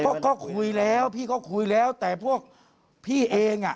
พวกเขาคุยแล้วพี่เขาคุยแล้วแต่พวกพี่เอง